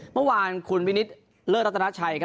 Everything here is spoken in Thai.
เมื่อวานคุณวินิตเลิศรัตนาชัยครับ